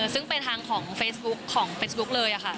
ซึ่งเป็นทางของเฟซบุ๊กเลยค่ะ